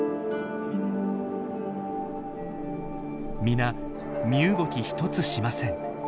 皆身動き一つしません。